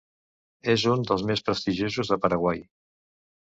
És un dels més prestigiosos de Paraguai.